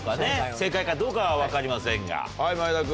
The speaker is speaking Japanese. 正解かどうかは分かりませんがはい前田君。